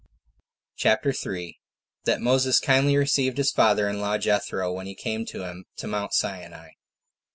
CHAPTER 3. That Moses Kindly Received His Father In Law, Jethro, When He Came To Him To Mount Sinai.